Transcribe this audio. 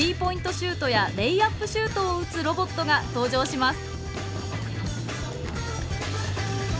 シュートやレイアップシュートを打つロボットが登場します。